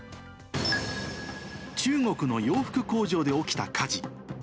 中国の洋服工場で起きた火事。